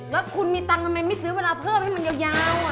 แล้วคุณมีตังค์ทำไมไม่ซื้อเวลาเพิ่มให้มันยาว